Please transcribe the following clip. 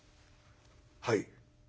「はい」。